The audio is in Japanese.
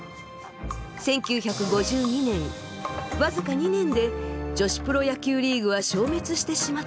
１９５２年僅か２年で女子プロ野球リーグは消滅してしまったのです。